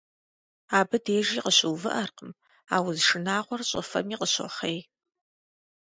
Абы дежи къыщыувыӀэркъым, а уз шынагъуэр щӀыфэми къыщохъей.